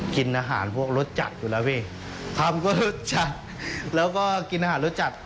กินอาหารพวกรสจัดอยู่แล้วพี่ทำก็รสจัดแล้วก็กินอาหารรสจัด